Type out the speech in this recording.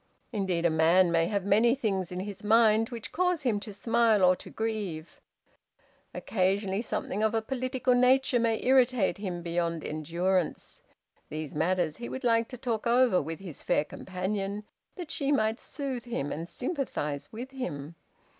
Indeed, a man may have many things in his mind which cause him to smile or to grieve. Occasionally something of a political nature may irritate him beyond endurance. These matters he would like to talk over with his fair companion, that she might soothe him, and sympathize with him.